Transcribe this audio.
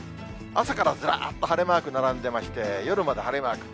朝からずらっと晴れマーク並んでまして、夜まで晴れマーク。